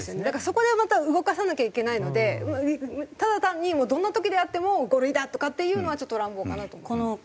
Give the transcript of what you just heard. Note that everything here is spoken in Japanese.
だからそこでまた動かさなきゃいけないのでただ単にもうどんな時であっても５類だとかっていうのはちょっと乱暴かなと思います。